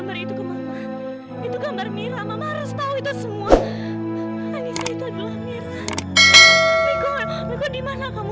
bahkan sebelum mama melihatnya